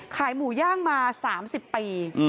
ขายหมูย่างมา๓๐ปี